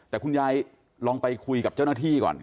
แต่คุณยายลองไปคุยกับเจ้าหน้าที่ก่อน